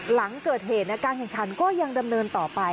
หลังเกิดเหตุการแข่งขันก็ยังดำเนินต่อไป